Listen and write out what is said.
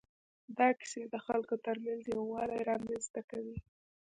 دا کیسې د خلکو تر منځ یووالی رامنځ ته کوي.